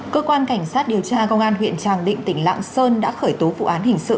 cơ quan cảnh sát điều tra công an huyện tràng định tỉnh lạng sơn đã khởi tố vụ án hình sự